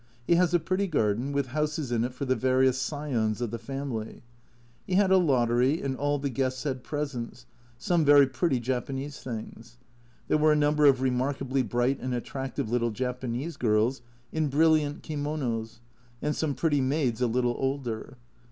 He has a pretty garden, with houses in it for the various scions of the family. He had a lottery and all the guests had presents, some very pretty Japanese things. There were a number of remarkably bright and attractive little Japanese girls in brilliant kimonos, and some pretty maids a little older.